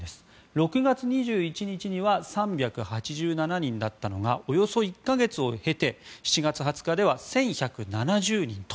６月２１日には３８７人だったのがおよそ１か月を経て７月２０日には１１７０人と。